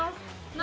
何？